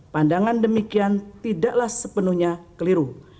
pandangan demikian tidaklah sepenuhnya keliru